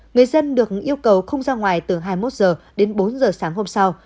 người dân được yêu cầu không ra ngoài từ hai mươi một h đến bốn h sáng hôm sau